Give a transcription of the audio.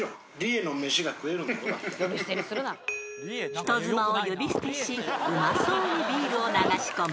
［人妻を呼び捨てしうまそうにビールを流し込む］